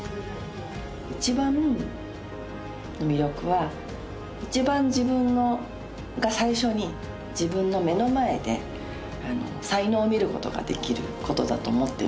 一番の魅力は一番自分が最初に自分の目の前で才能を見る事ができる事だと思っています。